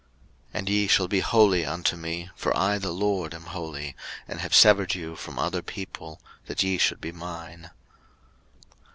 03:020:026 And ye shall be holy unto me: for I the LORD am holy, and have severed you from other people, that ye should be mine.